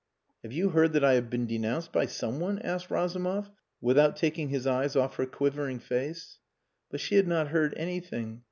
"Have you heard that I have been denounced by some one?" asked Razumov, without taking his eyes off her quivering face. But she had not heard anything.